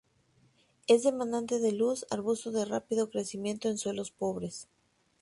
Es demandante de luz; arbusto de rápido crecimiento en suelos pobres.